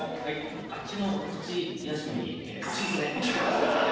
あっちのお口休みにお新香で。